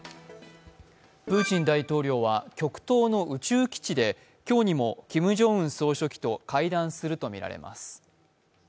プーチン大統領は極東の宇宙基地で今日にもキム・ジョンウン総書記と会談するとみられます。